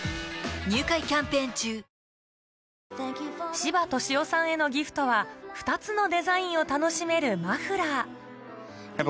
柴俊夫さんへのギフトは２つのデザインを楽しめるマフラーやっぱ